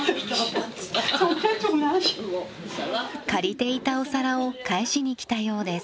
借りていたお皿を返しに来たようです。